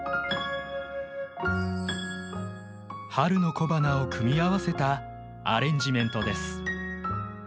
春の小花を組み合わせたアレンジメントです。